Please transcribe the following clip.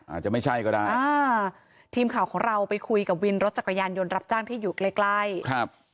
อาจจะไม่ใช่ก็ได้อ่าทีมข่าวของเราไปคุยกับวินรถจักรยานยนต์รับจ้างที่อยู่ใกล้ใกล้ครับ